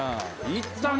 いったね！